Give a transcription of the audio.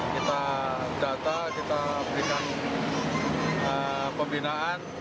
kita data kita berikan pembinaan